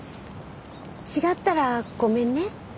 違ったらごめんね。